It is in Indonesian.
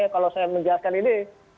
kalau saya menjelaskan ini